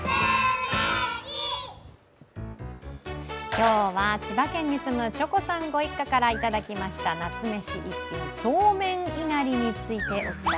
今日は千葉県に住むｃｈｏｋｏさんご一家から届きました夏メシ逸品、そうめんいなりについてです。